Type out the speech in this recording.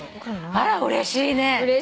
あらうれしいね。